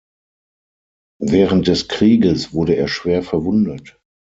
Während des Krieges wurde er schwer verwundet.